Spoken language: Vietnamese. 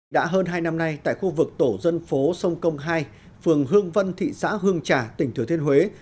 đã hơn hai năm nay tại khu vực tổ dân phố sông công hai phường hương vân thị xã hương trà tỉnh thừa thiên huế